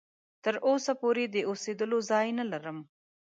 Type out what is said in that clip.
تر اوسه پوري د اوسېدلو ځای نه لرم.